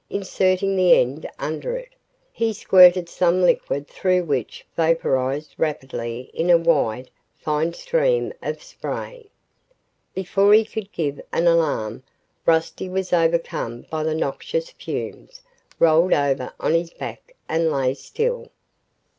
Inserting the end under it, he squirted some liquid through which vaporized rapidly in a wide, fine stream of spray. Before he could give an alarm, Rusty was overcome by the noxious fumes, rolled over on his back and lay still.